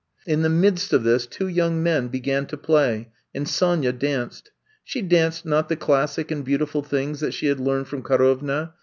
In the midst of this two young men be gan to play and Sonya danced. She danced not the classic and beautiful things that she had learned from Karovna.